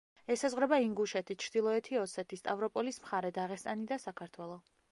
ესაზღვრება ინგუშეთი, ჩრდილოეთი ოსეთი, სტავროპოლის მხარე, დაღესტანი და საქართველო.